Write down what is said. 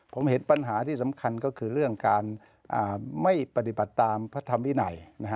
ผมเห็นปัญหาที่สำคัญก็คือเรื่องการไม่ปฏิบัติตามพระธรรมวินัย